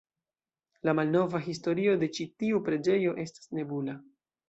La malnova historio de ĉi tiu preĝejo estas nebula.